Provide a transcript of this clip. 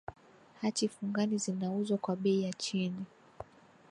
hati fungani zinauzwa kwa bei ya chini